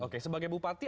oke sebagai bupati